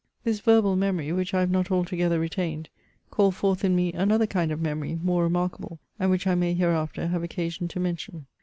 This verbal memory, which I hare not altogether retained, called forth in me another kind of memory, more renunrkaUe, and which I may hereafter have occasion to mention.